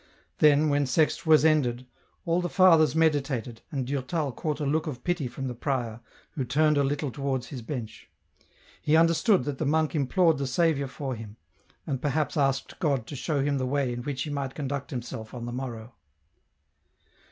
Then, when Sext was ended, all the fathers meditated, and Durtal caught a look of pity from the prior, who turned a little towards his bench. He understood that the monk implored the Saviour for him, and perhaps asked God to show him the way in which he might conduct himself on the morrow.